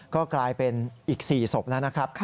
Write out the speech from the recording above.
ก็กลายเป็นอีก๔ศพแล้วนะครับ